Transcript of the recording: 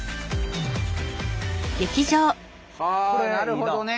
なるほどね！